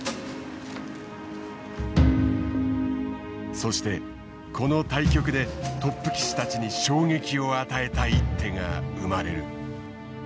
そしてこの対局でトップ棋士たちに衝撃を与えた一手が生まれる。